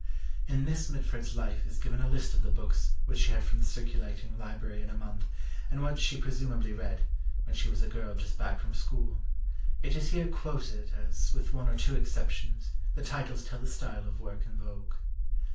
In Miss Mitford's Life is given a list of the books which she had from the circulating library in a month, and which she presumably read, when she was a girl just back from school. It is here quoted as, with one or two exceptions, the titles tell the style of work in vogue.